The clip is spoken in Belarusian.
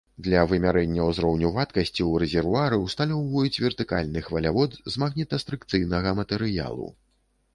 Для вымярэння ўзроўню вадкасці, у рэзервуары усталёўваюць вертыкальны хвалявод з магнітастрыкцыйнага матэрыялу.